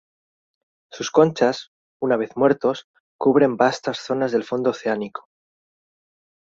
Sus conchas, una vez muertos, cubren vastas zonas del fondo oceánico.